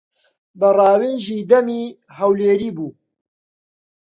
بە ڕاوێژی دەمی هەولێری بوو.